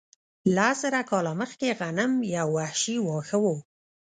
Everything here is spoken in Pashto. لس زره کاله مخکې غنم یو وحشي واښه و.